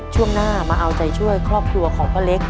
ช่วงหน้ามาเอาใจช่วยครอบครัวของพ่อเล็ก